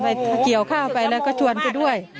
เกี่ยวข้าวไปแล้วก็ชวนไปด้วย